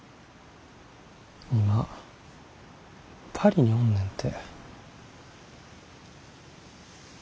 今パリにおんねんて。